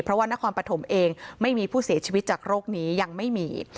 เพราะว่านครปฐมเองไม่มีผู้เสียชีวิตจากโรคนี้ยังไม่มี